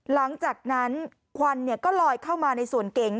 หลังจากนั้นควันก็ลอยเข้ามาในสวนเก๋ง